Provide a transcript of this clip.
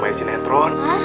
makanya si letron